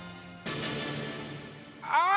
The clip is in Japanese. ああ！